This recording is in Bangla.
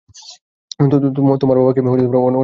তোমার বাবা কি অনেক ধার্মিক লোক নাকি?